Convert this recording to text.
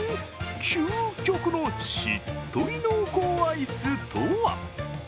究極のしっとり濃厚アイスとは？